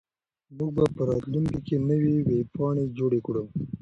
موږ به په راتلونکي کې نوې ویبپاڼې جوړې کړو.